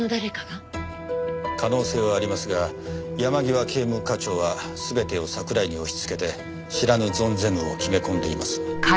可能性はありますが山際警務課長は全てを桜井に押しつけて知らぬ存ぜぬを決め込んでいます。